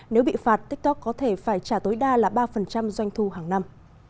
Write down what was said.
nếu bị phạt tiktok có thể phải trả tối đa là ba doanh thu hàng năm